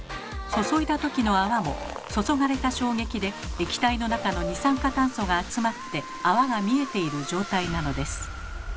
注いだ時の泡も注がれた衝撃で液体の中の二酸化炭素が集まって泡が見えている状態なのです。